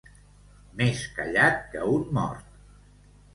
Més callat que un mort.